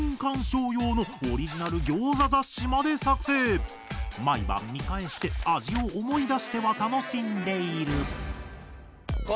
最初のハマったさんは毎晩見返して味を思い出しては楽しんでいる。